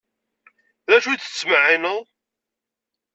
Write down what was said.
D acu i d-tettmeɛɛineḍ?